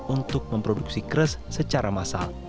untuk memproduksi kres secara massal